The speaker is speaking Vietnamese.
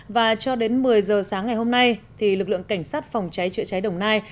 và cho đến một mươi giờ sáng ngày hôm nay thì lực lượng cảnh sát phòng cháy chữa cháy đồng nai